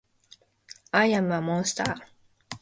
アイアムアモンスター